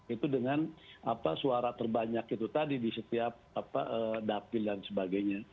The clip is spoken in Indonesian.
itu dengan suara terbanyak itu tadi di setiap dapil dan sebagainya